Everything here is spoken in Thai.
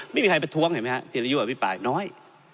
ไม่มีใครมาท้วงเห็นไหมฮะทีละยู่กับพี่ปลายน้อย